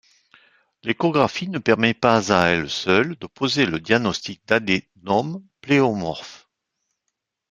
L'échographie ne permet pas à elle seule de poser le diagnostic d'adénome pléomorphe.